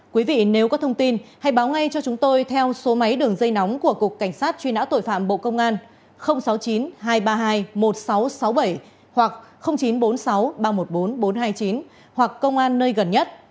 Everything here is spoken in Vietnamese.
quý vị nếu có thông tin hãy báo ngay cho chúng tôi theo số máy đường dây nóng của cục cảnh sát truy nã tội phạm bộ công an sáu mươi chín hai trăm ba mươi hai một nghìn sáu trăm sáu mươi bảy hoặc chín trăm bốn mươi sáu ba trăm một mươi bốn bốn trăm hai mươi chín hoặc công an nơi gần nhất